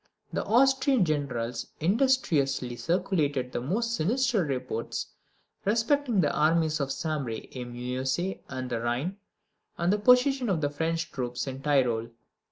The Austrian generals industriously circulated the most sinister reports respecting the armies of the Sambre et Meuse and the Rhine, and the position of the French troops in the Tyrol.